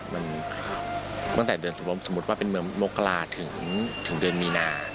มันตั้งแต่เดือนสมมุติว่าเป็นเมืองมกราศถึงเดือนมีนา